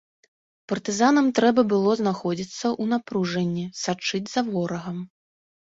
Партызанам трэба было знаходзіцца ў напружанні, сачыць за ворагам.